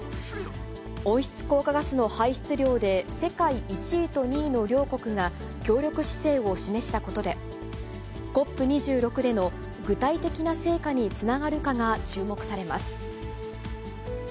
温室効果ガスの排出量で世界１位と２位の両国が、協力姿勢を示したことで、ＣＯＰ２６での具体的な成果につながるかが注目されます。